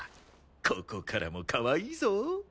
ここからもかわいいぞ。